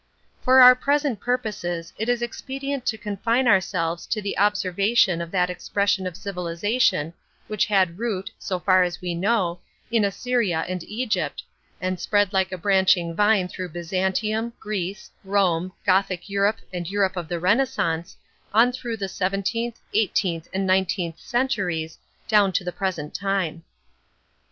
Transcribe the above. For our present purposes it is expedient to confine ourselves to the observation of that expression of civilisation which had root, so far as we know, in Assyria and Egypt, and spread like a branching vine through Byzantium, Greece, Rome, Gothic Europe and Europe of the Renaissance, on through the seventeenth, eighteenth and nineteenth centuries, down to the present time.